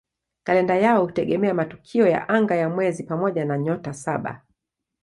Kalenda yao hutegemea matukio ya anga ya mwezi pamoja na "Nyota Saba".